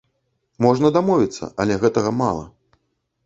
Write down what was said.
Можна дамовіцца, але гэтага мала.